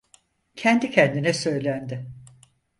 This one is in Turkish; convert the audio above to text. Kendi kendine söylendi: